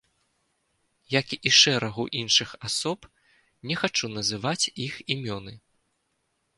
Як і шэрагу іншых асоб, не хачу называць іх імёны.